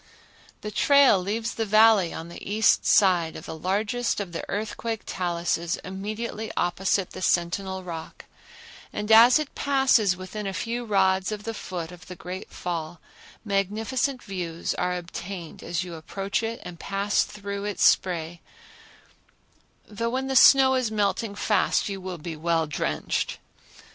The trail leaves the Valley on the east side of the largest of the earthquake taluses immediately opposite the Sentinel Rock and as it passes within a few rods of the foot of the great fall, magnificent views are obtained as you approach it and pass through its spray, though when the snow is melting fast you will be well drenched.